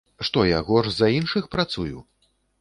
Што, я горш за іншых працую?